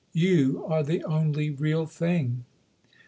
You are the only real thing."